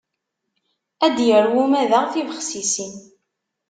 Ad d-yarew umadaɣ tibexsisin.